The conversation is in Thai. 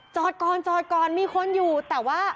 จอดก่อนมีคนอยู่แต่ว่า